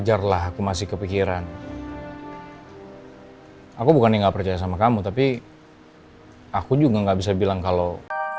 aku bukan yang gak percaya sama kamu tapi aku juga gak bisa bilang kalau